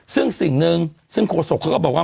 ซึ่งสิ่งหนึ่งซึ่งโฆษกเขาก็บอกว่า